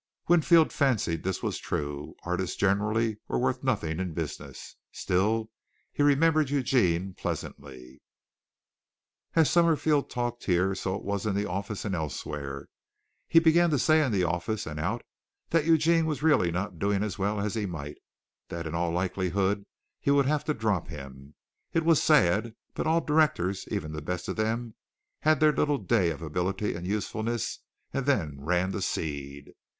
Winfield fancied this was true. Artists generally were worth nothing in business. Still, he remembered Eugene pleasantly. As Summerfield talked here, so was it in the office and elsewhere. He began to say in the office and out that Eugene was really not doing as well as he might, and that in all likelihood he would have to drop him. It was sad; but all directors, even the best of them, had their little day of ability and usefulness, and then ran to seed.